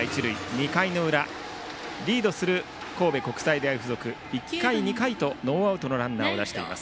２回裏リードする神戸国際大付属１回、２回とノーアウトのランナーを出しています。